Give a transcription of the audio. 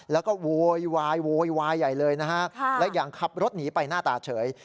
แล้วก็โวยวายโวยวายใหญ่เลยนะฮะและอย่างขับรถหนีไปหน้าตาเฉย